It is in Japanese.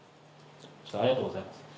ありがとうございます。